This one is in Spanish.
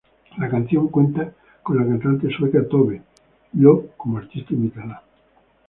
La canción cuenta con la cantante sueca Tove Lo como artista invitada.